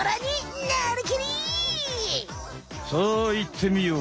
さあいってみよう。